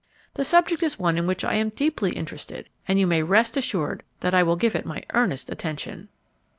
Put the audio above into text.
The subject is one in which I am deeply interested, and you may rest assured that I will give it my earnest attention."